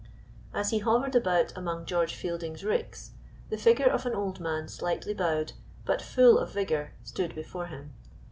As he hovered about among George Fielding's ricks, the figure of an old man slightly bowed but full of vigor stood before him.